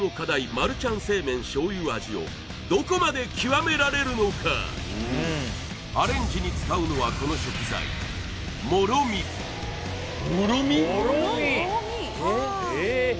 マルちゃん正麺醤油味をどこまで極められるのかアレンジに使うのはこの食材もろみええっ